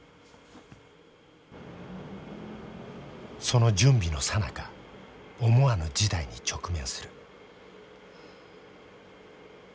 その準備のさなか思わぬ事態に直面する。